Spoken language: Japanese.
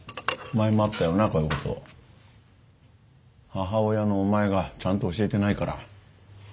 母親のお前がちゃんと教えてないから。